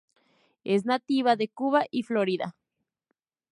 Es nativa de Cuba y Florida.